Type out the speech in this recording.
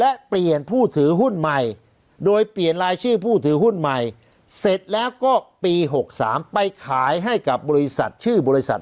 และเปลี่ยนผู้ถือหุ้นใหม่โดยเปลี่ยนรายชื่อผู้ถือหุ้นใหม่เสร็จแล้วก็ปี๖๓ไปขายให้กับบริษัทชื่อบริษัท